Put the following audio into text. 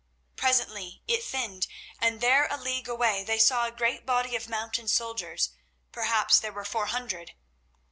Presently it thinned, and there a league away they saw a great body of mounted soldiers—perhaps there were four hundred.